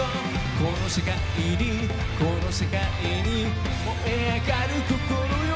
この世界にこの世界に燃え上がる心よ